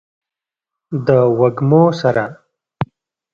د وږمو سره